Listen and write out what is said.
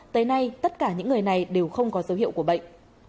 tới nay tất cả những người này đều không có dấu hiệu của bệnh